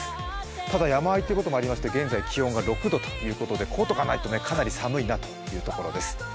ただ、山あいということもありまして現在気温が６度ということでコートがないとかなり寒いなというところです。